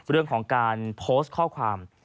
เรื่องของการโพสต์ข้อความ